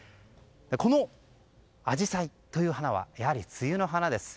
このアジサイという花はやはり梅雨の花です。